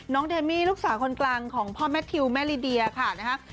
น้องเดมี่ลูกสาวคนกลางของพ่อแมททิวแมลีเดียค่ะนะครับ